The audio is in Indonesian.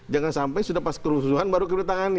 jangan sampai sudah pas kerusuhan baru kita tangani